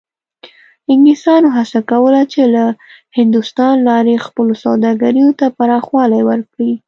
انګلیسانو هڅه کوله چې له هندوستان لارې خپلو سوداګریو ته پراخوالی ورکړي.